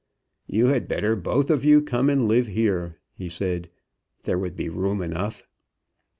"You had better both of you come and live here," he said. "There would be room enough."